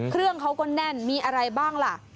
เครื่องเขาก็แน่นมีอะไรบ้างล่ะ